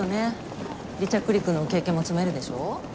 離着陸の経験も積めるでしょ？